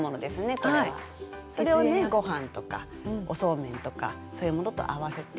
これは。それをねご飯とかおそうめんとかそういうものと合わせて。